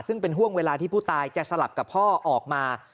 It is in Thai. ซึ่งเป็นห่วงเวลาที่ผู้ตายจะสลับกับพ่อออกมา